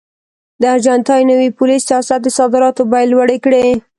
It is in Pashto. د ارجنټاین نوي پولي سیاست د صادراتو بیې لوړې کړې.